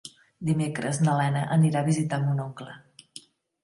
Dimecres na Lena anirà a visitar mon oncle.